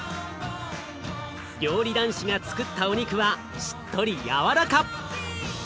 料理男子がつくったお肉はしっとり軟らか。